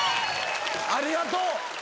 ありがとう。